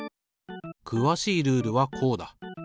くわしいルールはこうだ。